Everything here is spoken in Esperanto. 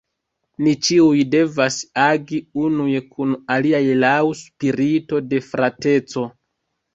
Ni ĉiuj devas agi unuj kun aliaj laŭ spirito de frateco.